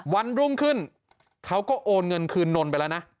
วันรุ่งขึ้นเขาก็โอนเงินคืนนนไปแล้วนะ